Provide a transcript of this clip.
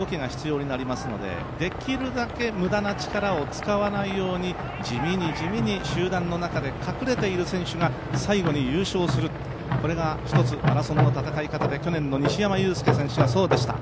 できるだけできるだけ無駄な力を使わないように地味に地味に集団の中で隠れている選手が最後に優勝する、これがマラソンの戦い方で、去年の西山雄介選手がそうでした。